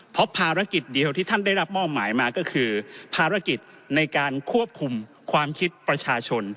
เพราะภารกิจเดียวที่ท่านได้รับมอบหมายมาก็คือภารกิจในการควบคุมความคิดประชาชน